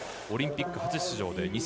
オリンピック初出場。